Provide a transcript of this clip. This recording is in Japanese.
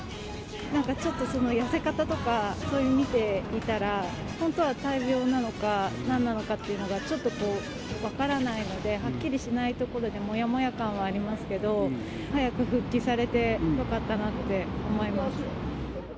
なんかちょっと痩せ方とか、そういうの見ていたら、本当は大病なのかなんなのかっていうのがちょっとこう、分からないので、はっきりしないところでもやもや感はありますけど、早く復帰されてよかったなって思います。